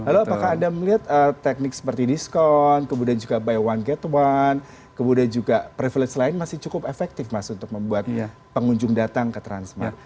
lalu apakah anda melihat teknik seperti diskon kemudian juga by one gate one kemudian juga privilege lain masih cukup efektif mas untuk membuat pengunjung datang ke transmart